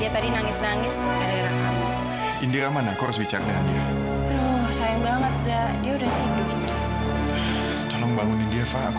terima kasih bapak